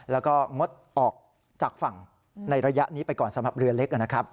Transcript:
แล้วก็งดออกจากฝั่งในระยะนี้ไปก่อนสำหรับเรือเล็กนะครับ